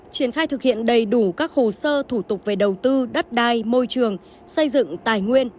triển khai thực hiện đầy đủ các hồ sơ thủ tục về đầu tư đất đai môi trường xây dựng tài nguyên